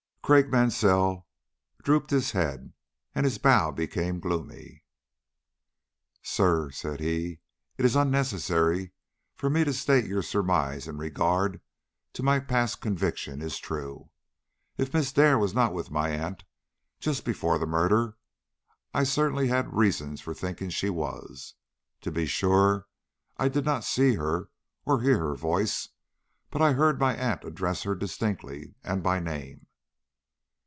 Craik Mansell drooped his head and his brow became gloomy. "Sir," said he, "it is unnecessary for me to state that your surmise in regard to my past convictions is true. If Miss Dare was not with my aunt just before the murder, I certainly had reasons for thinking she was. To be sure, I did not see her or hear her voice, but I heard my aunt address her distinctly and by name."